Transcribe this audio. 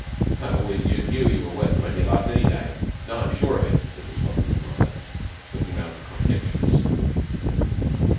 "I always knew you were worth twenty of us any day. Now I'm sure of it," said the Squadron Commander, looking round for contradictions.